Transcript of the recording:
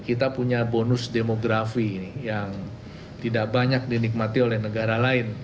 kita punya bonus demografi yang tidak banyak dinikmati oleh negara lain